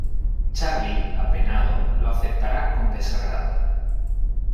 Charlie, apenado, lo aceptará con desagrado.